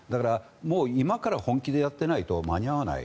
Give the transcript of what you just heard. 今から本気でやっていないと間に合わない。